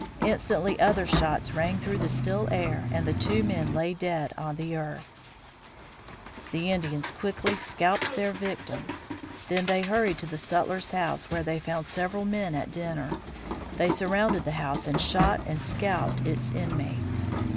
Instantly other shots rang through the still air and the two men lay dead on the earth. [Illustration: INDIAN DEPREDATIONS] The Indians quickly scalped their victims. Then they hurried to the sutler's house, where they found several men at dinner; they surrounded the house and shot and scalped its inmates.